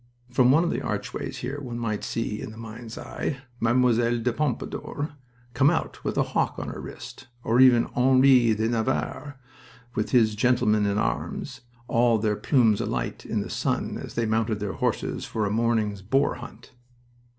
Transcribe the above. From one of the archways here one might see in the mind's eye Mme. de Pompadour come out with a hawk on her wrist, or even Henri de Navarre with his gentlemen at arms, all their plumes alight in the sun as they mounted their horses for a morning's boar hunt.